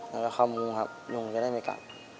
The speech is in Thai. แล้วก็เข้ามุ้งครับลุงจะได้ไม่กลับ